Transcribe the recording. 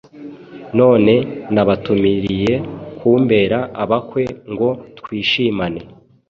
none nabatumiriye kumbera abakwe ngo twishimane».